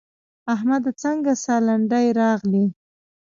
احمده څنګه سالنډی راغلې؟!